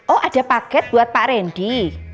oh ada paket buat pak randy